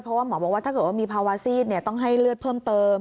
เพราะว่าหมอบอกว่าถ้าเกิดว่ามีภาวะซีดต้องให้เลือดเพิ่มเติม